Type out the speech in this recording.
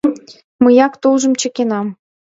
Мыяк тулжым чыкенам.